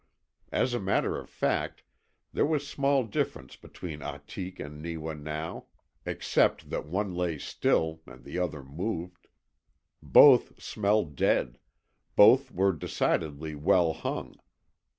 As a matter of fact, there was small difference between Ahtik and Neewa now, except that one lay still and the other moved. Both smelled dead; both were decidedly "well hung."